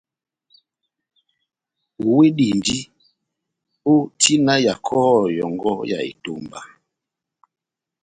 Owedindi ó tina ya kɔhɔ yɔ́ngɔ ya etomba